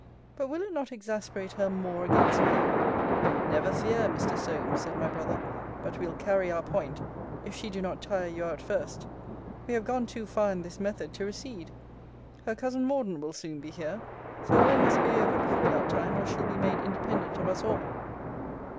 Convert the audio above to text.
But will it not exasperate he more against me? Never fear, Mr. Solmes, said my brother, but we'll carry our point, if she do not tire you out first. We have gone too far in this method to recede. Her cousin Morden will soon be here: so all must be over before that time, or she'll be made independent of us all.